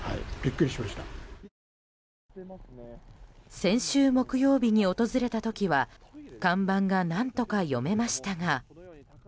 先週木曜日に訪れた時は看板が何とか読めましたが。